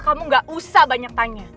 kamu gak usah banyak tanya